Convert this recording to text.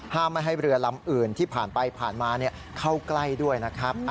ไม่ให้เรือลำอื่นที่ผ่านไปผ่านมาเข้าใกล้ด้วยนะครับ